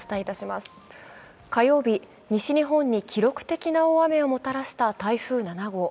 火曜日、西日本に記録的な大雨をもたらした台風７号。